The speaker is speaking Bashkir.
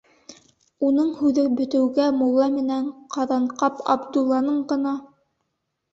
Уның һүҙе бөтөүгә, мулла менән Ҡаҙанҡап Абдулланың ғына: